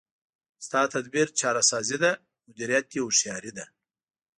ستا تدبیر چاره سازي ده، مدیریت دی هوښیاري ده